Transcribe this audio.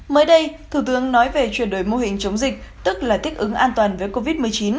mới đây thủ tướng nói về chuyển đổi mô hình chống dịch tức là thích ứng an toàn với covid một mươi chín